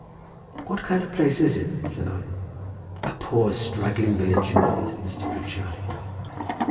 "What kind of place is it?" said I. "A poor straggling village," said Mr. Pritchard.